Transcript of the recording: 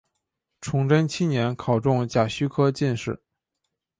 崇祯七年考中甲戌科进士。